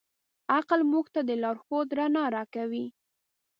عقل موږ ته د لارښود رڼا راکوي.